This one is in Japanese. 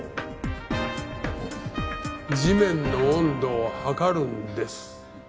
地面の温度を測るんです。